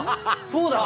そうだ！